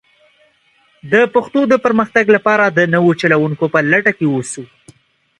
د پښتو د پرمختګ لپاره د نوو چلوونکو په لټه کې ووسو.